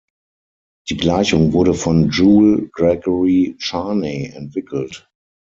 Die Gleichung wurde von Jule Gregory Charney entwickelt.